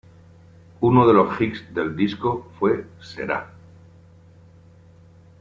Uno de los hits del disco fue "Será".